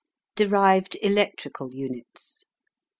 DERIVED ELECTRICAL UNITS.